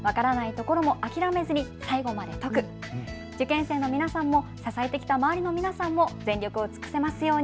受験生の皆さんも支えてきた周りの皆さんも全力を尽くせますように。